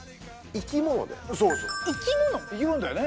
生き物だよね？